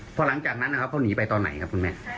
ซึ่งหลังจากนั้นเขาหนีไปตอนไหนครับคุณแม่